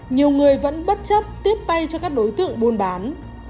nhiều người vẫn bất chấp tiếp tay cho các đối tượng buôn bán